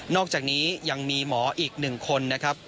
อกจากนี้ยังมีหมออีก๑คนนะครับ